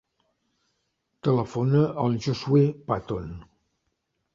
Telefona al Josuè Paton.